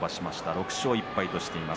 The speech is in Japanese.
６勝１敗としています。